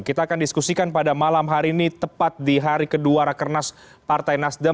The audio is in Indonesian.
kita akan diskusikan pada malam hari ini tepat di hari kedua rakernas partai nasdem